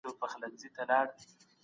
د شپې به سپوږمۍ اسمان ته راختلې وه.